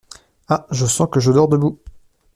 Ah ! je sens que je dors debout !